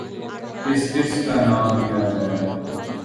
کس کس کا نام لیا جائے۔